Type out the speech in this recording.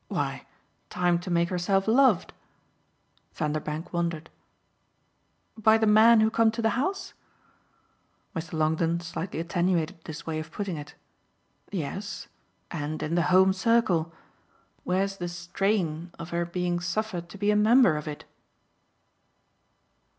"Why time to make herself loved." Vanderbank wondered. "By the men who come to the house?" Mr. Longdon slightly attenuated this way of putting it. "Yes and in the home circle. Where's the 'strain' of her being suffered to be a member of it?"